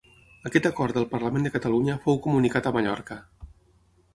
Aquest acord del Parlament de Catalunya fou comunicat a Mallorca.